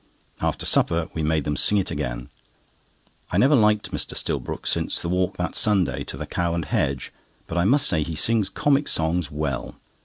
After supper we made them sing it again. I never liked Mr. Stillbrook since the walk that Sunday to the "Cow and Hedge," but I must say he sings comic songs well.